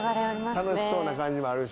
楽しそうな感じもあるし。